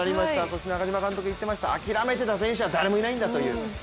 そして中嶋監督言ってました諦めてた選手はいないんだと。